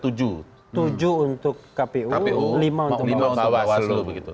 tujuh untuk kpu lima untuk bawaslu bawaslu